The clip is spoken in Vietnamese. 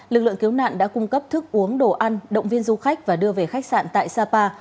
lực lượng cứu nạn đã cung cấp thức uống đồ ăn động viên du khách và đưa về khách sạn tại sapa